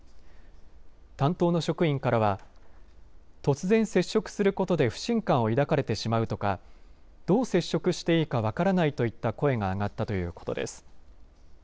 担当の職員からは突然接触することで不信感を抱かれてしまうとかどう接触していいか分からないといった声が上がったということです。